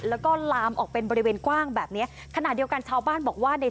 แล้วก็ลามออกเป็นบริเวณกว้างแบบนี้